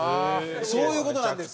そういう事なんです。